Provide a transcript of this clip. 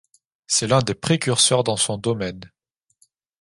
C'est l'un des précurseurs dans son domaine.